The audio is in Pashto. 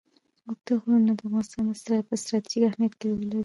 اوږده غرونه د افغانستان په ستراتیژیک اهمیت کې رول لري.